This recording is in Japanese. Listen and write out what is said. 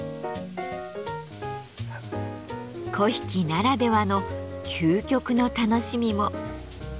粉引ならではの究極の楽しみも。